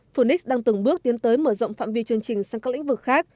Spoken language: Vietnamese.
phunix đang từng bước tiến tới mở rộng phạm vi chương trình sang các lĩnh vực khác